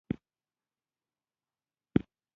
ماوو ډېر ژر ملکیتونه ملي کړل.